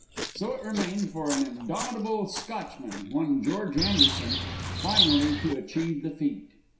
So it remained for an indomitable Scotchman, one George Anderson, finally to achieve the feat.